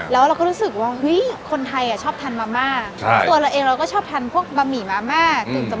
แล้วเราก็รู้สึกว่าคนนั้นแบบทายชอบทานมาม่าแต่ผมก็ชอบทานพวกบามีมาม่า